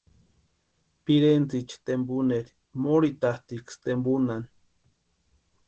Pirentsïcha tempunheri morhitatʼiksï tempunhani.